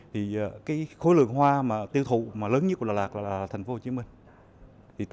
thì khối lượng hoa tiêu thụ lớn nhất của đà lạt là tp hồ chí minh